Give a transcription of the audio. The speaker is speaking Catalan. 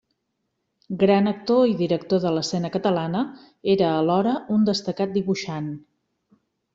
Gran actor i director de l'escena catalana, era alhora un destacat dibuixant.